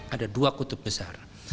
ada dua kutub besar